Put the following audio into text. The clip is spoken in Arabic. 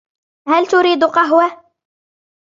هل تريد قهوة ؟